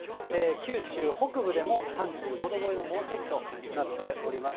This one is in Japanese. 九州北部でも３５度超えの猛暑日となっております。